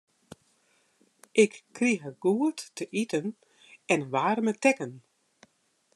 Ik krige goed te iten en in waarme tekken.